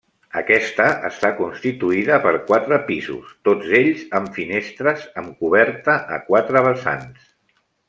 Aquesta està constituïda per quatre pisos, tots ells amb finestres, amb coberta a quatre vessants.